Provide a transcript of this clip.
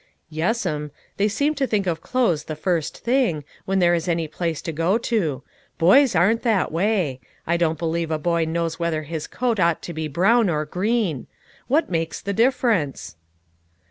" Yes'm. They seem to think of clothes the first thing, when there is any place to go to ; boys aren't that way. I don't believe a boy knows whether his coat ought to be brown or green. What makes the difference